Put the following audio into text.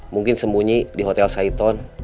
mungkin sembunyi di hotel saiton